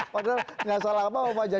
padahal enggak salah apa sama fajar